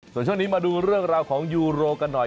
ส่วนช่วงนี้มาดูเรื่องราวของยูโรกันหน่อย